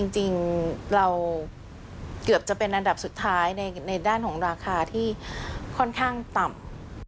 จริงเราเกือบจะเป็นอันดับสุดท้ายในด้านของราคาที่ค่อนข้างต่ำ